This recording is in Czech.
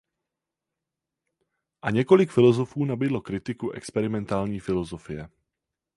A několik filozofů nabídlo kritiku experimentální filozofie.